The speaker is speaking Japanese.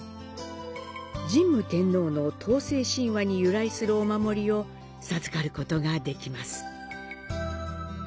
神武天皇の東征神話に由来するお守りを授かることができます。